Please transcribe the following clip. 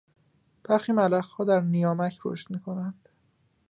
برخی ملخها در نیامک رشد میکنند.